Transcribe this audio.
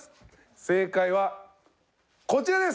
正解はこちらです。